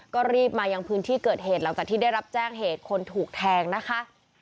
ก็รีบมายังพื้นที่เกิดเหตุหลังจากที่ได้รับแจ้งเหตุคนถูกแทงนะคะ